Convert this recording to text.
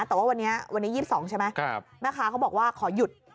แต่ว่าวันนี้วันนี้๒๒ใช่ไหมแม่ค้าเขาบอกว่าขอหยุด